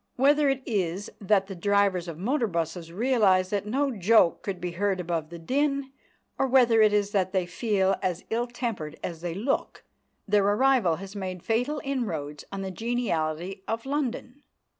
Whether it is that the drivers of motor buses realise that no joke could be heard above the din, or whether it is that they feel as ill tempered as they look, their arrival has made fatal inroads on the geniality of London.